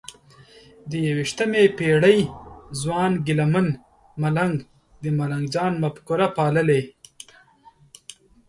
د یویشتمې پېړۍ ځوان ګیله من ملنګ د ملنګ جان مفکوره پاللې؟